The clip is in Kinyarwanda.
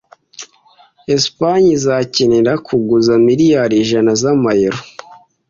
Espagne izakenera kuguza miliyari ijana z'amayero.